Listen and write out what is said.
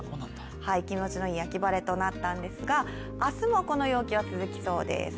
気持ちのいい秋晴れとなったんですが、明日もこの陽気は続きそうです。